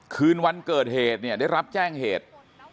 คืนวันเกิดเหตุเนี่ยได้รับแจ้งเหตุ